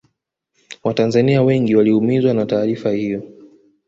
watanzania wengi waliumizwa na taarifa hiyo